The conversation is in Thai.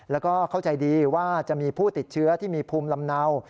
แล้วก็เข้าใจดีว่าจะมีผู้ติดเชื้อที่มีภูมิลำเนา